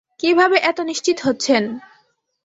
কিভাবে এত নিশ্চিত হচ্ছেন?